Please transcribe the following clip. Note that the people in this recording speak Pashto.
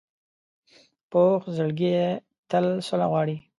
پوخ زړګی تل صلح غواړي